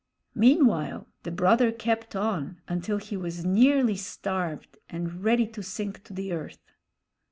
Meanwhile the brother kept on until he was nearly starved and ready to sink to the earth.